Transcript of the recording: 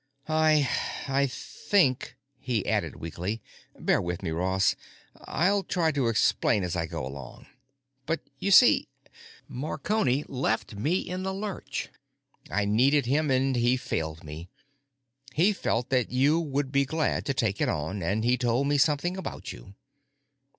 "I—I think," he added weakly. "Bear with me, Ross. I'll try to explain as I go along. But, you see, Marconi left me in the lurch. I needed him and he failed me. He felt that you would be glad to take it on, and he told me something about you."